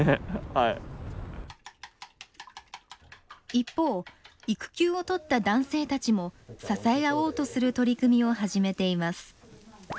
一方育休を取った男性たちも支え合おうとする取り組みを始めています。